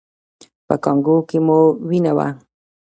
په کانګو کې مو وینه وه؟